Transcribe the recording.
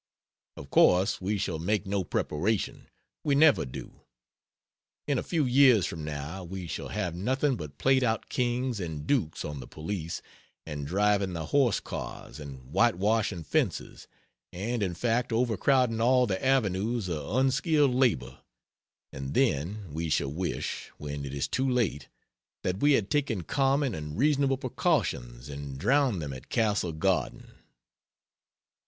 Of course we shall make no preparation; we never do. In a few years from now we shall have nothing but played out kings and dukes on the police, and driving the horse cars, and whitewashing fences, and in fact overcrowding all the avenues of unskilled labor; and then we shall wish, when it is too late, that we had taken common and reasonable precautions and drowned them at Castle Garden.